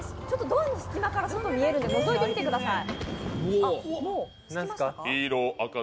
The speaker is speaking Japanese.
ドアの隙間から外が見えるので、のぞいてみてください。